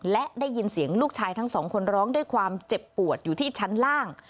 และได้ยินเสียงลูกชายทั้งสองคนร้องด้วยความเจ็บปวดอยู่ที่ชั้นล่าง